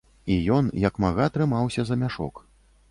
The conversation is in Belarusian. І ён як мага трымаўся за мяшок.